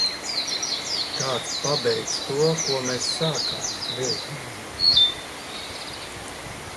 Kāds pabeigs to, ko mēs sākām, Vilknadzi!